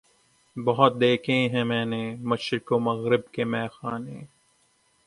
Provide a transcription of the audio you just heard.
بہت دیکھے ہیں میں نے مشرق و مغرب کے مے خانے